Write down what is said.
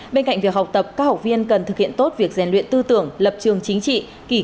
bên cạnh việc học tập các học viên cần thực hiện tốt việc rèn luyện tư tưởng lập trường chính trị